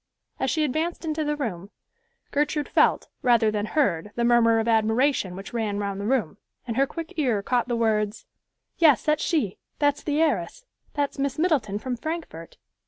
As she advanced into the room, Gertrude felt, rather than heard the murmur of admiration which ran round the room, and her quick ear caught the words, "Yes, that's she; that's the heiress; that's Miss Middleton from Frankfort."